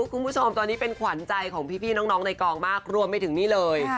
คุณผู้ชมตอนนี้เป็นขวัญใจของพี่น้องในกองมากรวมไปถึงนี่เลย